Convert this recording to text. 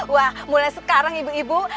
wah mulai sekarang ibu ibu